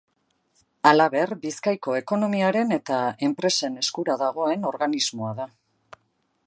Halaber, Bizkaiko ekonomiaren eta enpresen eskura dagoen organismoa da.